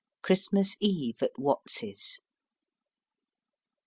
CHRISTMAS EVE AT WATTS'S.